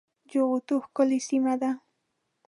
جغتو ښکلې سيمه ده